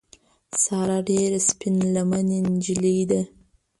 ساره ډېره سپین لمنې نجیلۍ ده.